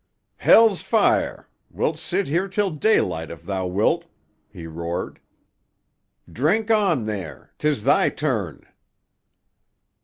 "Hell's fire! Wilt sit here till daylight if thou wilt," he roared. "Drink on there! 'Tis thy turn."